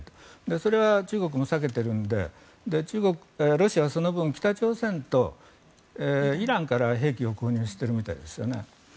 それは中国も避けているのでロシアはその分北朝鮮とイランから兵器を購入しているみたいですよね。